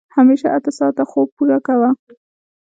همېشه اته ساعته خوب پوره کوه.